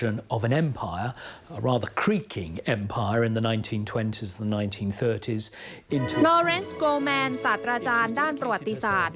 ลอร์เอนส์โกลแมนสัตว์ราชาญด้านประวัติศาสตร์